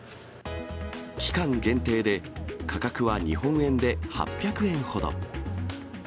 期間限定で、価格は日本円で８００円ほど。